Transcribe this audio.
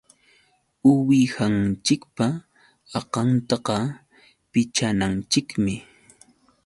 Uwihanchikpa akantaqa pichananchikmi.